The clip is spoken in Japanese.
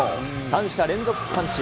三者連続三振。